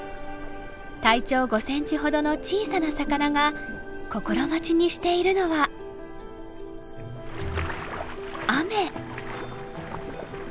体長５ｃｍほどの小さな魚が心待ちにしているのは雨。